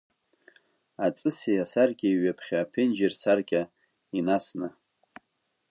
Аҵыси асаркьеи Ҩаԥхьа аԥенџьыр саркьа инасны…